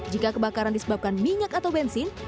jika kebakaran disebabkan minyak atau bensin